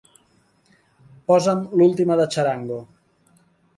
Posa'm l'última de Txarango.